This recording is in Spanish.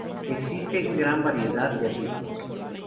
Existen gran variedad de ritmos.